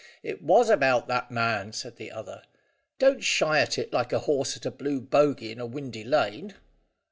It was about that, man," said the other. "Don't shy at it like a horse at a blue bogey in a windy lane."